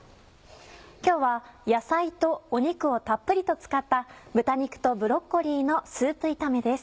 今日は野菜と肉をたっぷりと使った豚肉とブロッコリーのスープ炒めです。